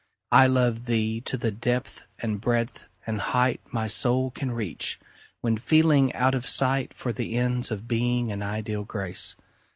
I love thee to the depth and breadth and height My soul can reach, when feeling out of sight For the ends of Being and ideal Grace.